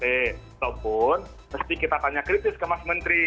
walaupun mesti kita tanya kritis ke mas menteri